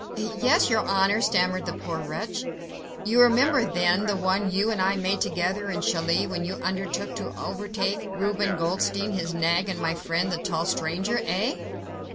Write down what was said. "Yes, your Honour," stammered the poor wretch. "You remember, then, the one you and I made together in Calais, when you undertook to overtake Reuben Goldstein, his nag and my friend the tall stranger? Eh?"